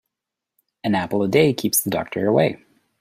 An apple a day keeps the doctor away.